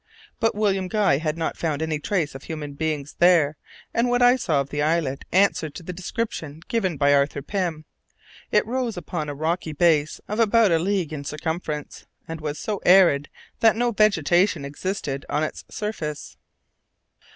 But William Guy had not found any trace of human beings there, and what I saw of the islet answered to the description given by Arthur Pym. It rose upon a rocky base of about a league in circumference, and was so arid that no vegetation existed on its surface.